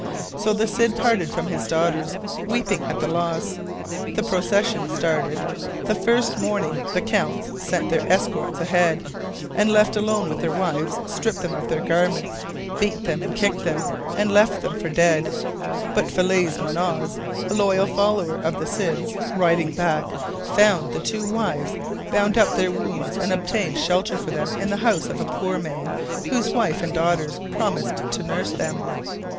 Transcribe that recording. So the Cid parted from his daughters, weeping at the loss. The procession started. The first morning the counts sent their escorts ahead, and, left alone with their wives, stripped them of their garments, beat them and kicked them, and left them for dead. But Felez Muñoz, a loyal follower of the Cid's, riding back, found the two wives, bound up their wounds and obtained shelter for them in the house of a poor man whose wife and daughters promised to nurse them.